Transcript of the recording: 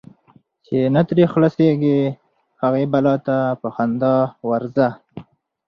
چی نه ترې خلاصیږې، هغی بلا ته په خندا ورځه .